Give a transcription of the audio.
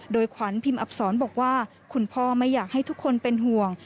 โดยขวัญพิมพ์อับศรบอกว่าคุณพ่อไม่อยากให้ทุกคนเป็นห่วง